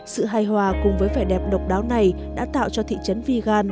sự hài hòa cùng với vẻ đẹp độc đáo này đã tạo cho thị trấn vygan